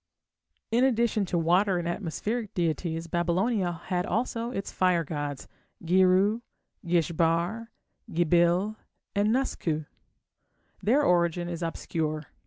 In addition to water and atmospheric deities Babylonia had also its fire gods, Girru, Gish Bar, Gibil, and Nusku. Their origin is obscure.